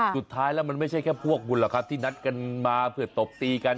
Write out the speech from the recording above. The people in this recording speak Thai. สุดท้ายแล้วมันไม่ใช่แค่พวกคุณหรอกครับที่นัดกันมาเผื่อตบตีกัน